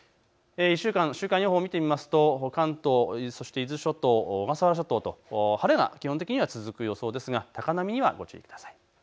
週間予報を見ていきますと関東、伊豆諸島、小笠原諸島と晴れが基本的には続く予想ですが高波にはご注意ください。